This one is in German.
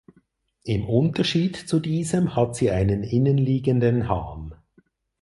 Im Unterschied zu diesem hat sie einen innenliegenden Hahn.